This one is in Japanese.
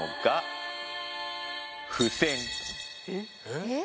えっ？